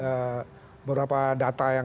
jadi beberapa data